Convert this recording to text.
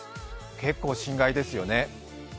結構心外ですよね。